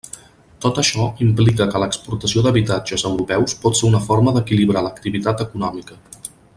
Tot això implica que l'«exportació d'habitatges» a europeus pot ser una forma d'equilibrar l'activitat econòmica.